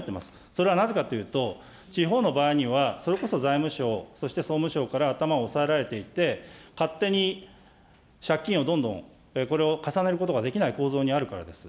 それはなぜかというと、地方の場合には、それこそ財務省、そして総務省から頭を押さえられていて、勝手に借金をどんどん、これを重ねることができない構造にあるからです。